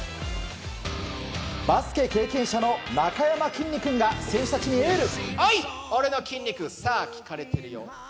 バスケ経験者のなかやまきんに君が選手たちにエール！